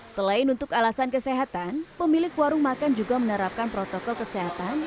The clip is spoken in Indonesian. selain untuk alasan kesehatan pemilik warung makan juga menerapkan protokol kesehatan